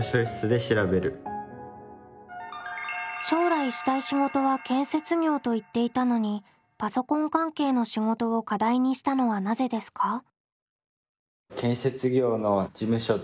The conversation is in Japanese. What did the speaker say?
将来したい仕事は建設業と言っていたのにパソコン関係の仕事を課題にしたのはなぜですか？